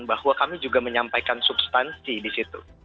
kalau kami juga menyampaikan substansi disitu